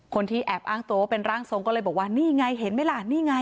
คนที่แอบอ้างตัวว่าเป็นร่างทรงก็เลยบอกว่านี่ไงเห็นไหมล่ะนี่ไง